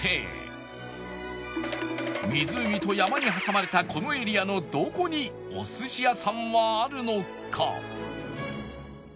湖と山に挟まれたこのエリアのどこにお寿司屋さんはあるのか？